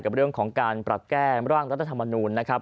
กับเรื่องของการปรับแก้ร่างรัฐธรรมนูลนะครับ